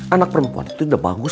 anak perempuan itu udah bagus